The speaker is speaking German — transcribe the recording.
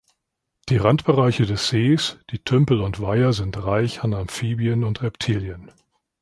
Die Randbereiche des Sees, die Tümpel und Weiher sind reich an Amphibien und Reptilien.